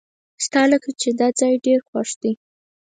ستالکه چې داځای ډیر خوښ دی .